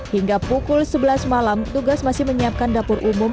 hingga pukul sebelas malam tugas masih menyiapkan dapur umum